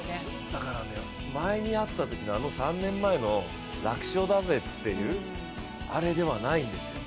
だからね、前に会ったときの３年前の楽勝だぜっていうあれではないんですよ。